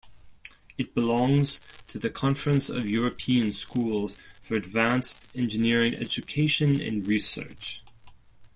It belongs to the Conference of European Schools for Advanced Engineering Education and Research.